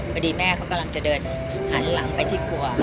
พอดีแม่เขากำลังจะเดินหันหลังไปที่ครัว